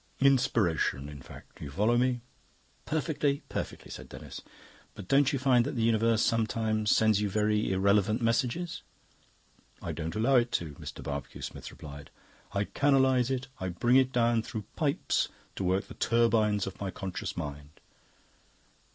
Inspiration, in fact. You follow me?" "Perfectly, perfectly," said Denis. "But don't you find that the Universe sometimes sends you very irrelevant messages?" "I don't allow it to," Mr. Barbecue Smith replied. "I canalise it. I bring it down through pipes to work the turbines of my conscious mind."